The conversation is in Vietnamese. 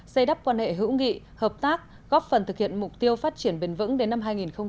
xây đắp quan hệ hữu nghị hợp tác góp phần thực hiện mục tiêu phát triển bền vững đến năm hai nghìn ba mươi